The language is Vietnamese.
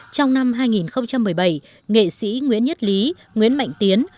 trong năm hai nghìn một mươi bảy nghệ sĩ nguyễn nhất lý nguyễn mạnh tiến